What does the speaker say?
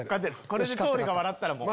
これで桃李が笑ったらもう。